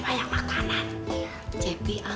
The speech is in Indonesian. bapak apa sih